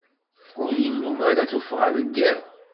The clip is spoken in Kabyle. Ur yennum ara tuffɣa deg iḍ.